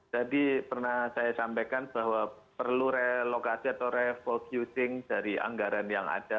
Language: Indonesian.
jadi pernah saya sampaikan bahwa perlu relocasi atau refocusing dari anggaran yang ada